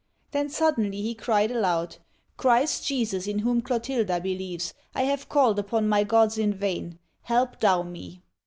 Then suddenly he cried aloud: "Christ Jesus, in whom Clotilda believes, I have called upon my gods in vain. Help Thou me